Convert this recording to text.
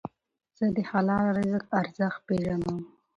زه د حلال رزق ارزښت پېژنم.